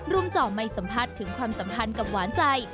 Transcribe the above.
จ่อไม่สัมภาษณ์ถึงความสัมพันธ์กับหวานใจ